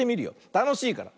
たのしいから。